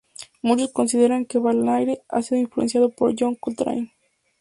Muchos consideran que Verlaine ha sido influenciado por John Coltrane.